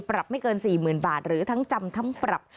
ไม่เกิน๔๐๐๐บาทหรือทั้งจำทั้งปรับ